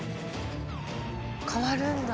変わるんだ。